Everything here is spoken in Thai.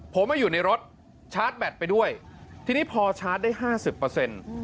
ผมมาอยู่ในรถชาร์จแบตไปด้วยทีนี้พอชาร์จได้ห้าสิบเปอร์เซ็นต์